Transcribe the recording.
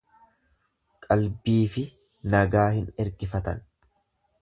Qalbiifi nagaa hin ergifatan.